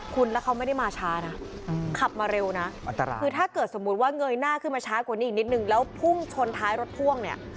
คุณแล้วเขาไม่ได้มาช้านะขับมาเร็วนะอันตรายคือถ้าเกิดสมมุติว่าเงยหน้าขึ้นมาช้ากว่านี้อีกนิดนึงแล้วพุ่งชนท้ายรถพ่วงเนี่ย